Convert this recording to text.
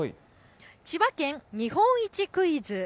千葉県日本一クイズ。